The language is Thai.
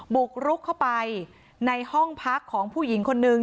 บุกรุกเข้าไปในห้องพักของผู้หญิงคนนึง